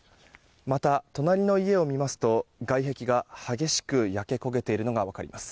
また、隣の家を見ますと外壁が激しく焼け焦げているのが分かります。